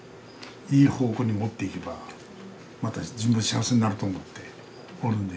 いい方向に持っていけばまた自分が幸せになると思っておるんで。